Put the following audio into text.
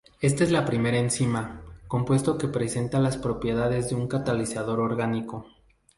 Esta es la primera enzima, compuesto que presenta las propiedades de un catalizador orgánico.